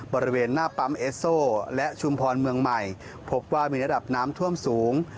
บริเวณหน้าปั๊มเอสโซและชุมพรเมืองใหม่พบว่ามีระดับน้ำท่วมสูง